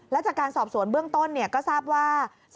และจากการสอบสวนเบื้องต้นก็ทราบว่า